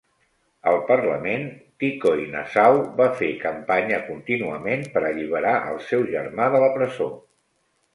Al parlament, Tikoinasau va fer campanya contínuament per alliberar el seu germà de la presó.